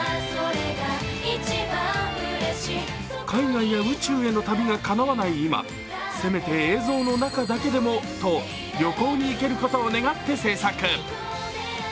海外や宇宙への旅がかなわない今、せめて映像の中だけでもと旅行に行けることを願って制作。